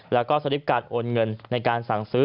แล้วก็สลิปการโอนเงินในการสั่งซื้อ